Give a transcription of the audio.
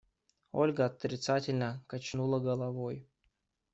Ольга отрицательно качнула головой.